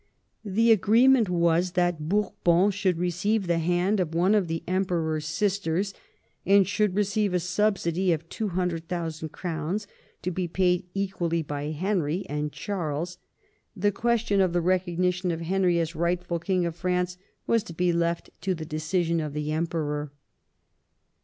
The agreement was that Bourbon should receive the hand of one of the Emperor's sisters, and should receive a subsidy of 200,000 crowns to be paid equally by Henry and Charles; the question of the recognition of Henry as rightful King of France was to be left to the decision of the Emperor.